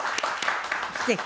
すてき。